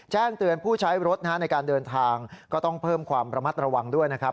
แจ้งเตือนผู้ใช้รถในการเดินทางก็ต้องเพิ่มความระมัดระวังด้วยนะครับ